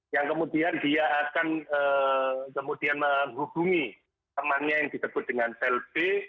yang kemudian dia akan kemudian menghubungi temannya yang disebut dengan sel b